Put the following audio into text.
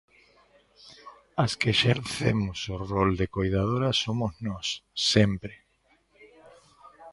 As que exercemos o rol de coidadora somos nós, sempre.